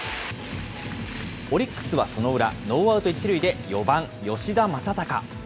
オリックスはその裏、ノーアウト１塁で４番吉田正尚。